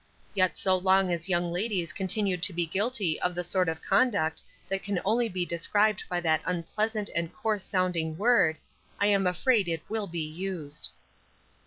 Yet so long as young ladies continue to be guilty of the sort of conduct that can only be described by that unpleasant and coarse sounding word, I am afraid it will be used.